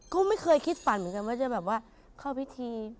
ก็ไม่เคยคิดฝันเหมือนกันว่าจะแบบว่าเข้าพิธี